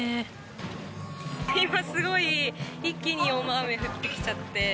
今すごい一気に大雨降ってきちゃって。